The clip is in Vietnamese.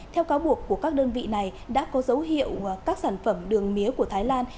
theo cáo buộc của các đơn vị này đã có dấu hiệu các sản phẩm đường mía của thái lan